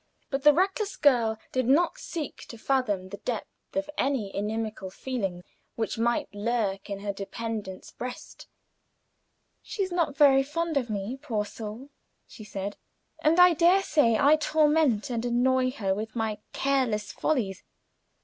But the reckless girl did not seek to fathom the depth of any inimical feeling which might lurk in her dependent's breast. "She is not very fond of me, poor soul," she said, "and I dare say I torment and annoy her with my careless follies.